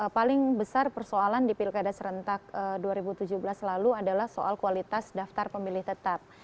paling besar persoalan di pilkada serentak dua ribu tujuh belas lalu adalah soal kualitas daftar pemilih tetap